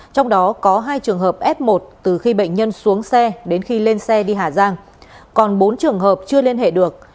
trong đó có hai trường hợp f một từ khi bệnh nhân xuống xe đến khi lên xe đi hà giang còn bốn trường hợp chưa liên hệ được